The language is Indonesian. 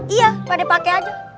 iya pak de pake aja